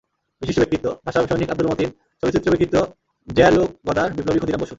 বিশিষ্ট ব্যক্তিত্ব—ভাষাসৈনিক আবদুল মতিন, চলচ্চিত্র ব্যক্তিত্ব জ্যাঁ লুক গদার, বিপ্লবী ক্ষুদিরাম বসু।